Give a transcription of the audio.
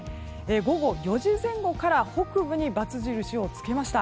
午後４時前後から北部に×印を付けました。